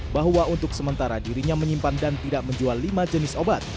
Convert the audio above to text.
bahwa untuk sementara dirinya menyimpan dan tidak menjual lima jenis obat